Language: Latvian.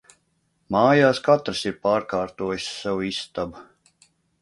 Mājās katrs ir pārkārtojis savu istabu.